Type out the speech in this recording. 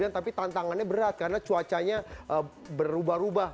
tapi tantangannya berat karena cuacanya berubah ubah